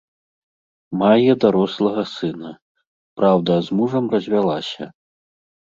Мае дарослага сына, праўда, з мужам развялася.